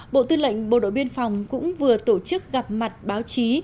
bộ tư lệnh bộ đội biên phòng cũng vừa tổ chức gặp mặt báo chí